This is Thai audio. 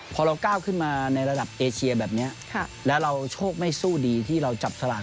พอเราก้าวขึ้นมาในระดับเอเชียแบบนี้แล้วเราโชคไม่สู้ดีที่เราจับสลาก